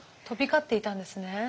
飛び交っていたんですね。